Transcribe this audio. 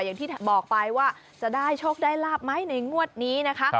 อย่างที่บอกไปว่าจะได้โชคได้ลาบไหมในงวดนี้นะคะ